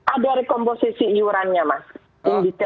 ada rekomposisi iurannya mas